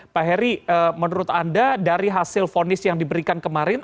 pak heri menurut anda dari hasil fonis yang diberikan kemarin